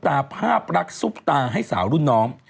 ตาภาพรักซุปตาให้สาวรุ่นน้อง